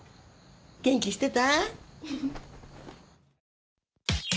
元気してた？